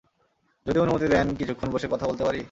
যদি অনুমতি দেন, কিছুক্ষণ বসে কথা বলতে পারি?